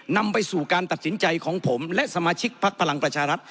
นำไปสู่การตัดสินใจของผมและสมาชิกพักพลังประชารัฐ